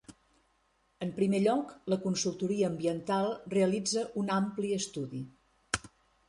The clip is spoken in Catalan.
En primer lloc, la consultoria ambiental realitza una ampli estudi